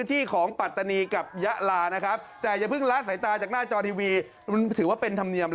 เออไม่แล้วคุณรัสตรินหูล้ออะไร